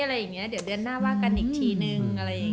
เดี๋ยวเดือนหน้าว่ากันอีกทีนึง